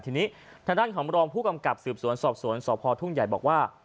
ทีนี้ทางด้านของรองผู้กำกับสืบสวนสอบสวนสพทุ่งใหญ่บอกว่า